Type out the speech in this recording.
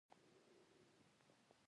ځونان دهیواد دملا دتیر حیثت لري